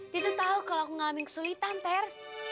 dia tuh tau kalo aku ngalamin kesulitan ter